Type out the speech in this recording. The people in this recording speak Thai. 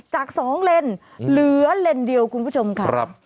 จาก๒เลนเหลือเลนส์เดียวคุณผู้ชมค่ะ